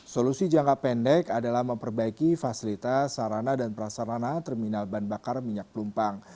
solusi jangka pendek adalah memperbaiki fasilitas sarana dan prasarana terminal ban bakar minyak pelumpang